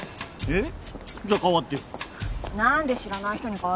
えっ？